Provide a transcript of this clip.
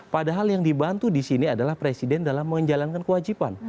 padahal yang dibantu di sini adalah presiden dalam menjalankan kewajiban